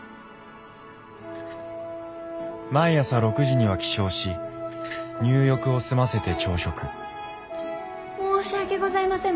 毎朝６時には起床し入浴を済ませて朝食・申し訳ございません。